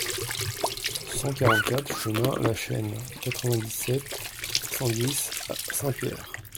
cent quarante-quatre chemin La Chaîne, quatre-vingt-dix-sept, quatre cent dix à Saint-Pierre